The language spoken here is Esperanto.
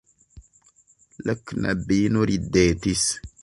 La knabino ridetis.